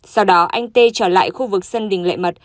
sau đó anh tê trở lại khu vực sân đình lệ mật